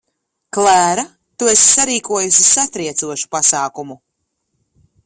Klēra, tu esi sarīkojusi satriecošu pasākumu.